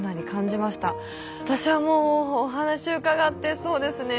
私はもうお話を伺ってそうですね